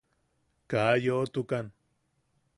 Kaa yoʼotukan.